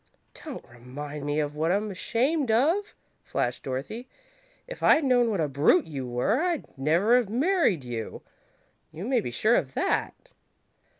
"Don't remind me of what I'm ashamed of!" flashed Dorothy. "If I'd known what a brute you were, I'd never have married you! You may be sure of that!"